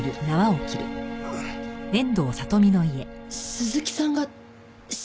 鈴木さんが死んだ？